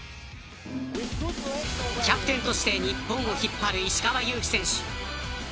キャプテンとして日本を引っ張る石川祐希選手。